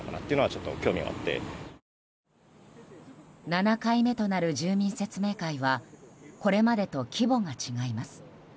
７回目となる住民説明会はこれまでと規模が違います。